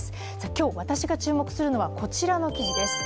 今日、私注目するのはこちらの記事です。